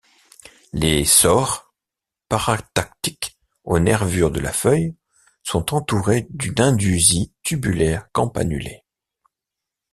Les sores, paratactiques aux nervures de la feuille, sont entourés d'une indusie tubulaire campanulée.